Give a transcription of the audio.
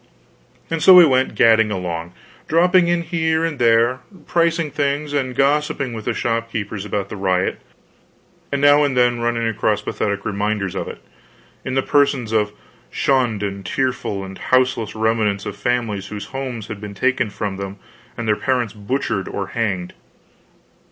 And so we went gadding along, dropping in here and there, pricing things, and gossiping with the shopkeepers about the riot, and now and then running across pathetic reminders of it, in the persons of shunned and tearful and houseless remnants of families whose homes had been taken from them and their parents butchered or hanged.